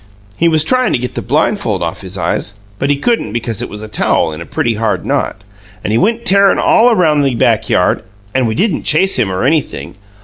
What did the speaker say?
He was tryin' to get the blindfold off his eyes, but he couldn't because it was a towel in a pretty hard knot; and he went tearin' all around the backyard, and we didn't chase him, or anything.